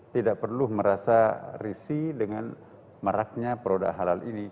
tidak perlu merasa risih dengan maraknya produk halal ini